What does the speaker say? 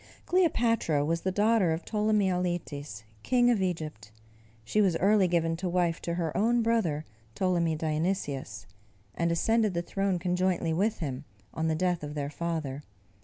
Cleopatra was the daughter of Ptolemy Auletes, king of Egypt. She was early given to wife to her own brother, Ptolemy Dionysius, and ascended the throne conjointly with him, on the death of their father.